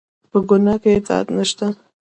په ګناه کې اطاعت نشته